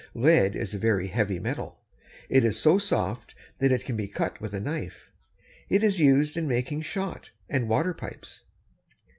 Lead is a very heavy metal. It is so soft that it can be cut with a knife. It is used in making shot, and water pipes.